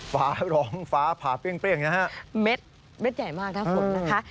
ฝาหลองฝาผ่าเปรี้ยงนะฮะเม็ดเม็ดใหญ่มากนะฝนนะคะ